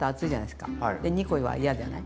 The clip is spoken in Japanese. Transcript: で２コは嫌じゃない？